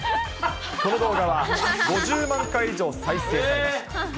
この動画は５０万回以上再生されました。